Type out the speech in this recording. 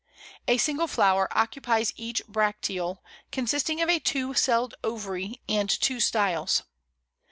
A single flower occupies each bracteole, consisting of a two celled ovary and two styles.